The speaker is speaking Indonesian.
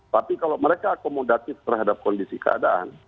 tapi kalau mereka akomodatif terhadap kondisi keadaan